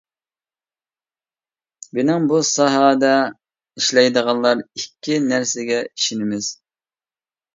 بىنىڭ بۇ ساھەدە ئىشلەيدىغانلار ئىككى نەرسىگە ئىشىنىمىز.